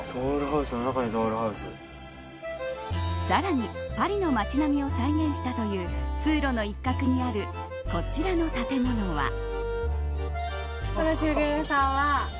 さらにパリの町並みを再現したという通路の一角にあるこちらの建物は。